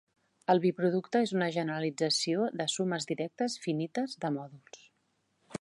El biproducte és una generalització de sumes directes finites de mòduls.